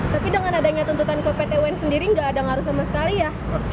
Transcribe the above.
sehingga tuntutan ke ptun sendiri tidak ada ngaruh sama sekali ya